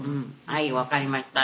「はい分かりました」